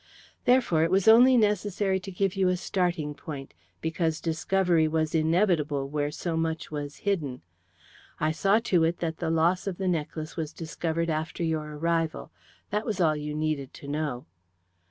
Therefore, it was only necessary to give you a starting point, because discovery was inevitable where so much was hidden. I saw to it that the loss of the necklace was discovered after your arrival. That was all you needed to know.